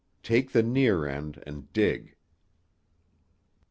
"Take the near end and dig."